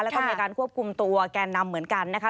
แล้วก็มีการควบคุมตัวแกนนำเหมือนกันนะคะ